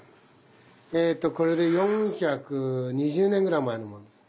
えっとこれで４２０年ぐらい前のものです。